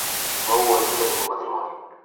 No hubo hijos de ningún matrimonio.